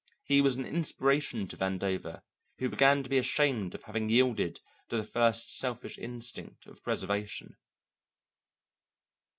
He was an inspiration to Vandover, who began to be ashamed of having yielded to the first selfish instinct of preservation.